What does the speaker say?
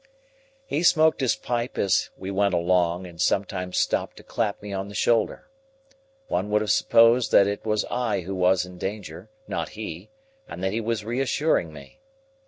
He smoked his pipe as we went along, and sometimes stopped to clap me on the shoulder. One would have supposed that it was I who was in danger, not he, and that he was reassuring me.